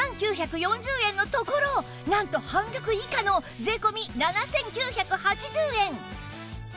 ２万９４０円のところなんと半額以下の税込７９８０円